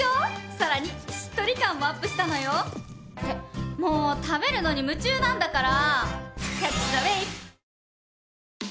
さらにしっとり感もアップしたのよ。ってもう食べるのに夢中なんだから！